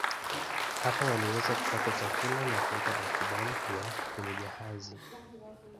Hapa waliweza kupata chakula na kuweka akiba mpya kwenye jahazi.